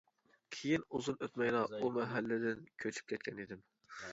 كىيىن ئۇزۇن ئۆتمەيلا ئۇ مەھەللىدىن كۆچۈپ كەتكەن ئىدىم.